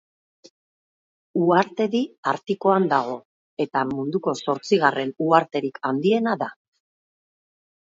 Uhartedi Artikoan dago eta munduko zortzigarren uharterik handiena da.